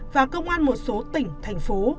và công an một số tỉnh thành phố